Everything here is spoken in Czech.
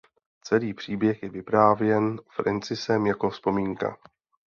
Celý příběh je vyprávěn Francisem jako vzpomínka.